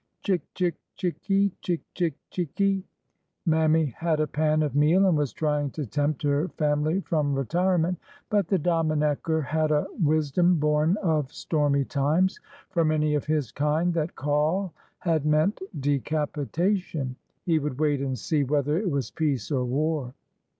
'' Chick— chick— chick e e ! Chick— chick— chick e e !" Mammy had a pan of meal and was trying to tempt her family from retirement. But the Dominecker " had a wisdom born of stormy times. For many of his kind that call had meant decapitation. He would wait and see whether it was peace or war.